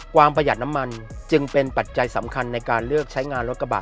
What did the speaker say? ประหยัดน้ำมันจึงเป็นปัจจัยสำคัญในการเลือกใช้งานรถกระบะ